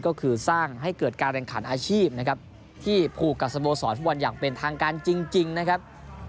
ก็คือสร้างให้เกิดการแรงขันอาชีพนะครับที่ผูกกับสโมสรฟุตบอลอย่างเป็นทางการจริงนะครับ